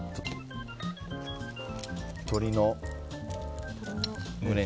鶏の胸肉。